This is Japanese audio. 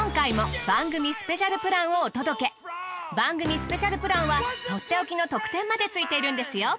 今回も番組スペシャルプランはとっておきの特典までついているんですよ。